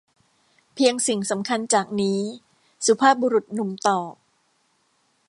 เพียงสิ่งสำคัญจากนี้ สุภาพบุรุษหนุ่มตอบ